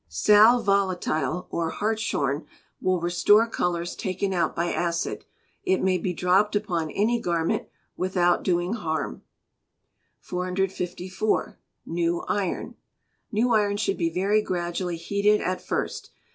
Sal Volatile or hartshorn will restore colours taken out by acid. It may be dropped upon any garment without doing harm. 454. New Iron should be very gradually heated at first.